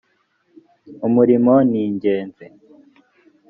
umurimo ningenzi.